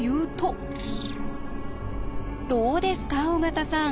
どうですか尾形さん。